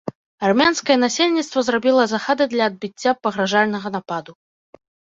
Армянскае насельніцтва зрабіла захады для адбіцця пагражальнага нападу.